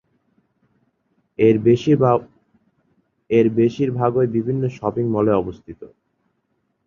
এর বেশিরভাগই বিভিন্ন শপিং মলে অবস্থিত।